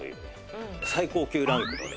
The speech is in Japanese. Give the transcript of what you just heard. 最高級ランクのね